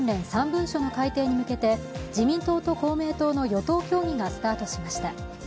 ３文書の改定に向けて自民党と公明党の与党協議がスタートしました。